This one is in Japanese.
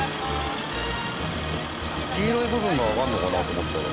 黄色い部分が上がるのかなと思ったら。